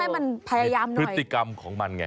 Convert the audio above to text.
คือต้องให้มันพยายามหน่อยพฤติกรรมของมันไง